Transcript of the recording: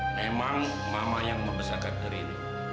memang mama yang membesarkan diri